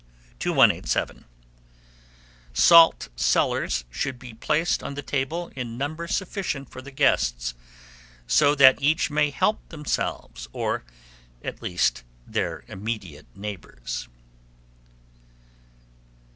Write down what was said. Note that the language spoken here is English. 2187. Salt cellars should be placed on the table in number sufficient for the guests, so that each may help themselves, or, at least, their immediate neighbours.